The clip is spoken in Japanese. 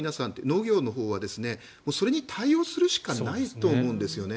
農業のほうはそれに対応するしかないと思うんですよね。